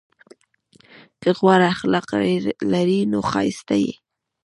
که غوره اخلاق لرې نو ښایسته یې!